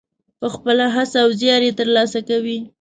په خپله هڅه او زیار یې ترلاسه کوي.